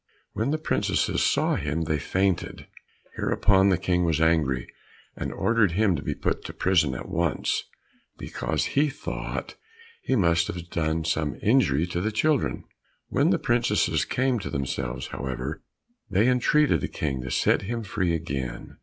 When the princesses saw him they fainted. Hereupon the King was angry, and ordered him to be put in prison at once, because he thought he must have done some injury to the children. When the princesses came to themselves, however, they entreated the King to set him free again.